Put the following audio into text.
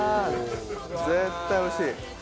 絶対おいしい！